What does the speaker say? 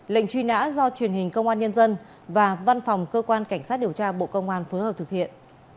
lệnh truy nã do truyền hình công an nhân dân và văn phòng cơ quan cảnh sát điều tra bộ công an phối hợp thực hiện